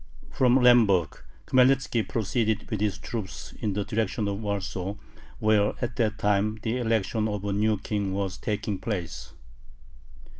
From Lemberg Khmelnitzki proceeded with his troops in the direction of Warsaw, where at that time the election of a new king was taking place.